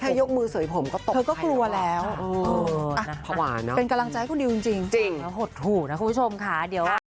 แค่ยกมือเสยผมก็ตกใครแล้ว